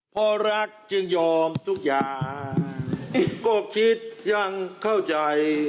พอรักจึงยอมทุกอย่างก็คิดยังเข้าใจ